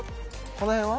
この辺は？